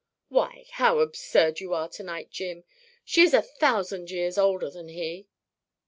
Why how absurd you are to night, Jim. She is a thousand years older than he."